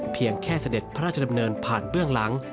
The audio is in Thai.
เพียงแค่เสด็จพระราชดำเนินผ่านเบื้องหลัง